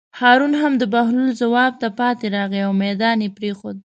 هارون هم د بهلول ځواب ته پاتې راغی او مېدان یې پرېښود.